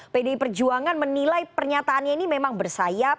pdi perjuangan menilai pernyataannya ini memang bersayap